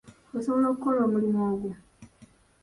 Osobola okukola omulimu ogwo?